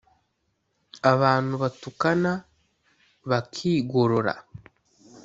abantu batukana bakigorora,